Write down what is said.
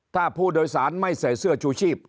ถ้าผู้โดยสารไม่ใส่เสื้อชูชีพ